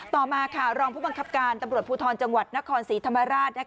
ต่อมาค่ะรองผู้บังคับการตำรวจภูทรจังหวัดนครศรีธรรมราช